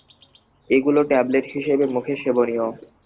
এগুলো ট্যাবলেট হিসেবে মুখে সেবনীয়।